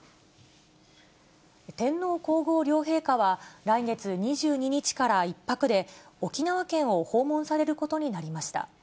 天皇皇后両陛下は、来月２２日から１泊で、沖縄県を訪問されることになりました。